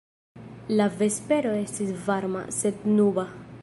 La vespero estis varma, sed nuba.